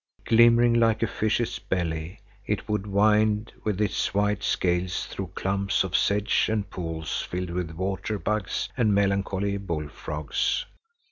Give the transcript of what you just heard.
Glimmering like a fish's belly, it would wind with its white scales through clumps of sedge and pools filled with water bugs and melancholy bullfrogs.